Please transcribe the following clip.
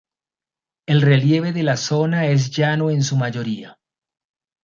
El relieve de la zona es llano en su mayoría.